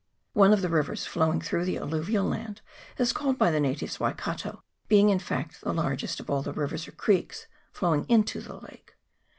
One of the rivers flowing through the alluvial land is called by the natives Waikato, being in fact the largest of all the rivers or creeks flowing into the lake.